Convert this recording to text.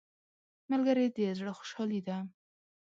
ملګری د زړه خوشحالي ده